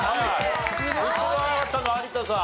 一番早かったの有田さん。